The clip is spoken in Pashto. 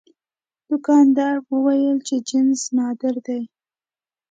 دوکاندار وویل چې جنس نادر دی.